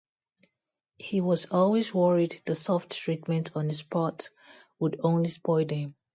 He was always worried that soft treatment on his part would only spoil them.